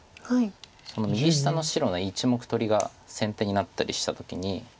その右下の白の１目取りが先手になったりした時に。